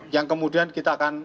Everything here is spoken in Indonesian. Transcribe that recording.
yang kemudian kita akan